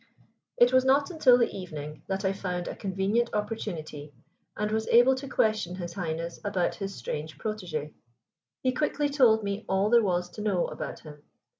It was not until the evening that I found a convenient opportunity, and was able to question His Highness about his strange protégé. He quickly told me all there was to know about him.